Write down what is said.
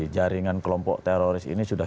jaringan kelompok teroris ini sudah